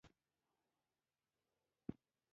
میلمنو ته سوغاتونه او یادګاري عکسونه و.